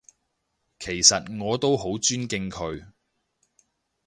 其實我都好尊敬佢